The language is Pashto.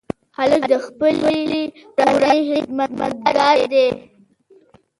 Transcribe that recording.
هلک د خپلې کورنۍ خدمتګار دی.